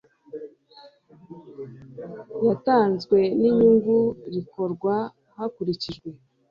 yatanzwe n inyungu rikorwa hakurikijwe